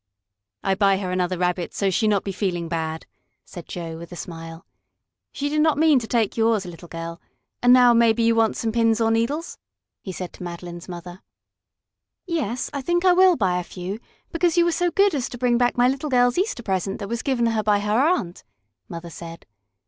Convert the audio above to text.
"I buy her another Rabbit so she not be feeling bad," said Joe, with a smile. "She did not mean to take yours, little girl. And now maybe you want some needles or pins?" he said to Madeline's mother. "Yes, I think I will buy a few, because you were so good as to bring back my little girl's Easter present that was given her by her aunt," Mother said.